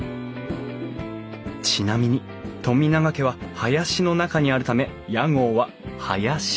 ちなみに富永家は林の中にあるため屋号は「林」といいます